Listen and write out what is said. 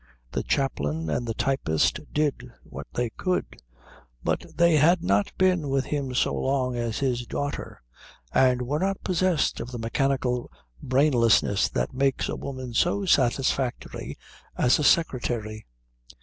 The chaplain and the typist did what they could, but they had not been with him so long as his daughter and were not possessed of the mechanical brainlessness that makes a woman so satisfactory as a secretary.